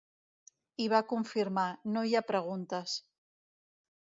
I va confirmar: no hi ha preguntes.